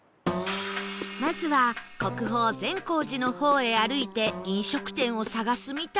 まずは国宝善光寺の方へ歩いて飲食店を探すみたい